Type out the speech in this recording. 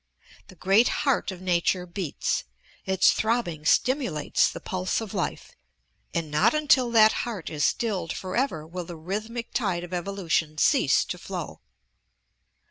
The great heart of nature beats, its throbbing stimu lates the pulse of life, and not until that heart is stilled forever will the rhythmic tide of evolution cease to flow.